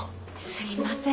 すいません。